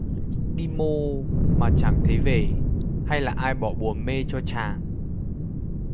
Đi mô mà chẳng thấy về, hay là ai bỏ bùa mê cho chàng